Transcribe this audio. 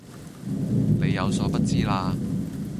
你有所不知啦